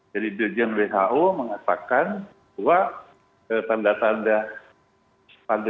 jadi dirijen who mengatakan bahwa tanda tanda pandemi akan berakhir sudah terlihat gitu ya